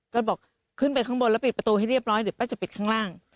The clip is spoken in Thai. ก็บอกขึ้นไปข้างบนแล้วปิดประตูให้เรียบร้อยเดี๋ยวป้าจะปิดข้างล่าง